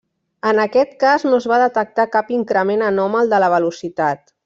En aquest cas no es va detectar cap increment anòmal de la velocitat.